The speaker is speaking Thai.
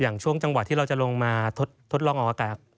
ช่วงจังหวะที่เราจะลงมาทดลองออกอากาศ